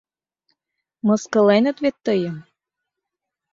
Мыскыленыт вет тыйым?